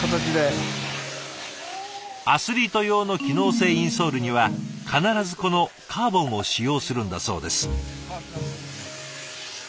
アスリート用の機能性インソールには必ずこのカーボンを使用するんだそうです。